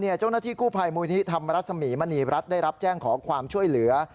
เจ้าหน้าที่กู้ภัยมูลที่ธรรมรสมีมณีรัฐได้รับแจ้งขอความช่วยเหลือ